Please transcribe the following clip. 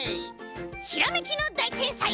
ひらめきのだいてんさい！